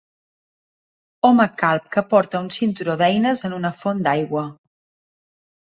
Home calb que porta un cinturó d'eines en una font d'aigua.